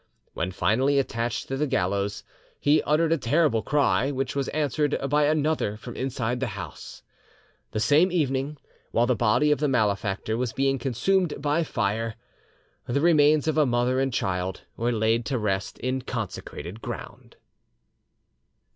When finally attached to the gallows, he uttered a terrible cry, which was answered by another from inside the house. The same evening, while the body of the malefactor was being consumed by fire, the remains of a mother and child were laid to rest in consecrated ground.